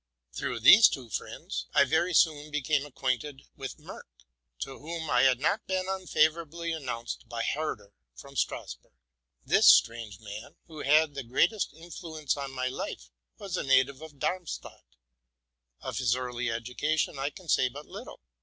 Through these two friends, I very soon became acquainted 7 eee RELATING TO MY LIFE. 99 with Merck, to whom I had not been unfavorably announced by Herder, from Strasburg. This strange man, who had the greatest influence on my life, was a native of Darmstadt. Of nis early education I can say but little.